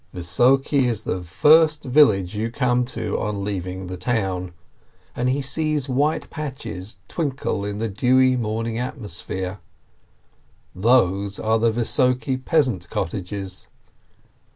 Vissoke is the first village you come to on leaving the town, and he sees white patches twinkle in the dewy morning atmosphere, those are the Vissoke peasant cottages.